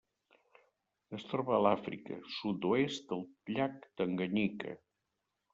Es troba a Àfrica: sud-oest del llac Tanganyika.